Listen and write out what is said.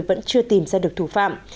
vẫn chưa tìm ra được thủ phạm